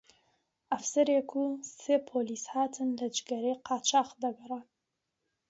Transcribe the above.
ئەفسەرێک و سێ پۆلیس هاتن لە جگەرەی قاچاغ دەگەڕان